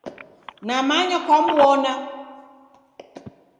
Namanya kwamw'ona.